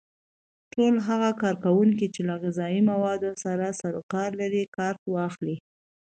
ټول هغه کارکوونکي چې له غذایي موادو سره سرو کار لري کارت واخلي.